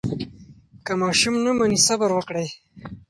که ماشوم نه مني، صبر وکړئ.